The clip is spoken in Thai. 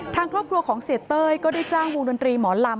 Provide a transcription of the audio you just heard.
ทางครอบครัวของเสียเต้ยก็ได้จ้างวงดนตรีหมอลำ